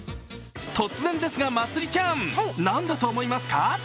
突然ですがまつりちゃん何だと思いますか？